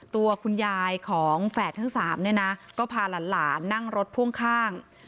ตัวคุณยายของแฝดทั้งสามเนี่ยนะก็พาหลานนั่งรถพ่วงข้าง